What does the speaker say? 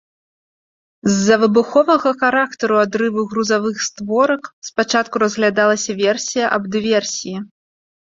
З-за выбуховага характару адрыву грузавых створак спачатку разглядалася версія аб дыверсіі.